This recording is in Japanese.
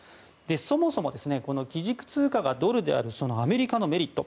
そもそも基軸通貨がドルであるそのアメリカのメリット